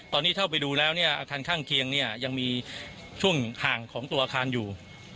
ตอนนี้เข้าไปดูแล้วเนี่ยอาคารข้างเคียงเนี่ยยังมีช่วงห่างของตัวอาคารอยู่